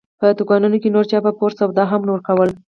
په دوکانونو کې نور چا په پور سودا هم نه ورکوله.